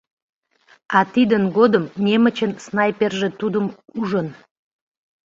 А тидын годым немычын снайперже тудым ужын.